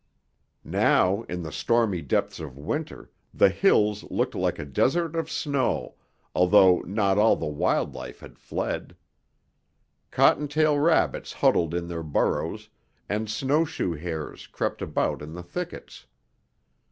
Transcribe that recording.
Now in the stormy depths of winter the hills looked like a desert of snow, although not all the wild life had fled. Cottontail rabbits huddled in their burrows and snowshoe hares crept about in the thickets.